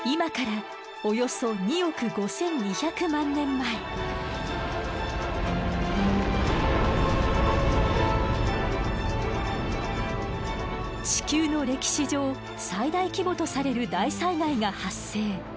今から地球の歴史上最大規模とされる大災害が発生。